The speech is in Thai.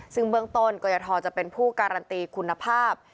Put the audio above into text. ซึ่งเบื้องต้นกรยทจะเป็นผู้การันตีคุณภาพ